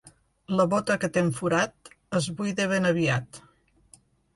La bota que té un forat es buida ben aviat.